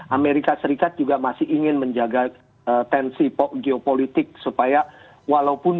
amerika serikat juga masih ingin menjaga tensi geopolitik supaya walaupun